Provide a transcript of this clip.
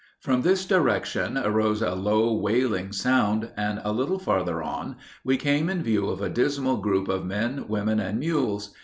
From this direction arose a low wailing sound, and a little farther on we came in view of a dismal group of men, women, and mules.